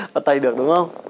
bắt tay được đúng không